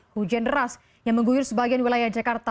hujan deras yang mengguyur sebagian wilayah jakarta